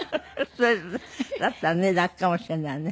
それだったらね楽かもしれないわね。